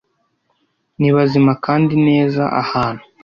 Ni bazima kandi neza ahantu,